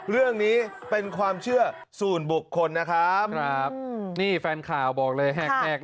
เรื่องนี้เป็นความเชื่อส่วนบุคคลนะครับครับนี่แฟนข่าวบอกเลยแหก